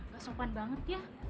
gak sopan banget ya